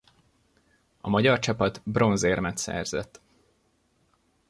A magyar csapat bronzérmet szerzett.